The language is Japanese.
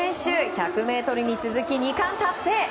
１００ｍに続き２冠達成！